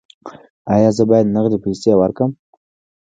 ایا زه باید نغدې پیسې ورکړم؟